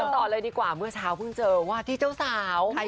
ต่อเลยดีกว่าเมื่อเช้าเพิ่งเจอว่าที่เจ้าสาว